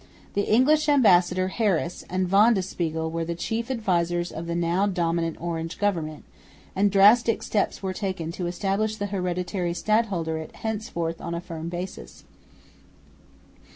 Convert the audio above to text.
The English ambassador, Harris, and Van de Spiegel were the chief advisers of the now dominant Orange government; and drastic steps were taken to establish the hereditary stadholderate henceforth on a firm basis.